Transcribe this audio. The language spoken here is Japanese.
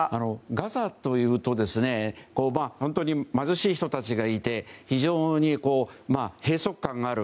ガザというと貧しい人たちがいて非常に閉塞感がある。